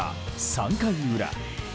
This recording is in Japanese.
３回裏。